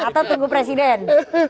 atau tunggu presiden